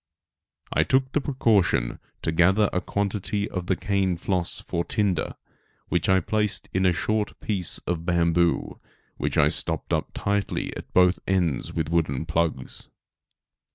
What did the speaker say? I took the precaution to gather a quantity of the cane floss for tinder, which I placed in a short piece of bamboo, which I stopped up tightly at both ends with wooden plugs.